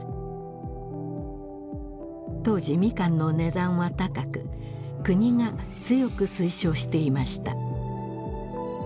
当時ミカンの値段は高く国が強く推奨していました。